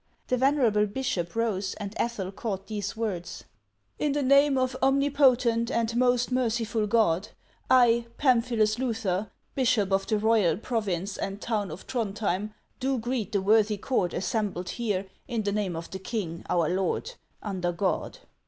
The venerable bishop rose, and Ethel caught these words :" In the name of omnipotent and most merciful God, I, Pamphilus Luther, bishop of the royal province and town of Throndhjem, do greet the worthy court assembled here in the name of the king, our lord, under God.